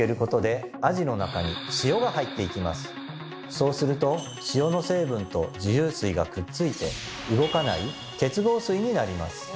そうすると塩の成分と自由水がくっついて動かない結合水になります。